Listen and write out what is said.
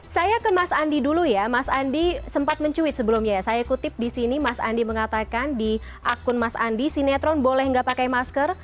saya ke mas andi dulu ya mas andi sempat mencuit sebelumnya ya saya kutip di sini mas andi mengatakan di akun mas andi sinetron boleh nggak pakai masker